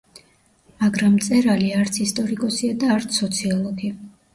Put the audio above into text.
მაგრამ მწერალი არც ისტორიკოსია და არც სოციოლოგი.